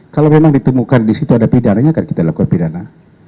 kalau memang ditemukan di situ ada pidananya akan kita lakukan pidana